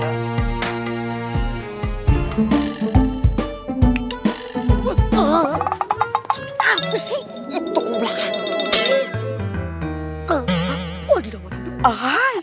apa sih itu kubelakan